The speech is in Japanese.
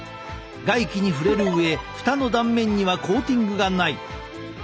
外気に触れる上蓋の断面にはコーティングがない。